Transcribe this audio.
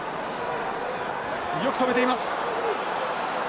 よく止めています。